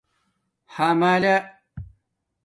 حملہ